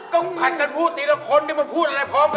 ก้องผัดกันผู้ดีและคนที่มันพูดอะไรพร้อมกัน